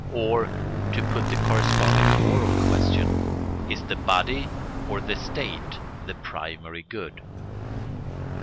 Or, to put the corresponding moral question, is the body or the state the primary good?